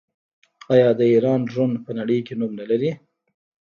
آیا د ایران ډرون په نړۍ کې نوم نلري؟